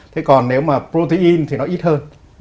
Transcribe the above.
thế còn nếu mà protein thì nó ít hơn